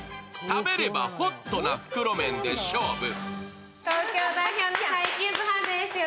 食べればホットな袋麺で勝負。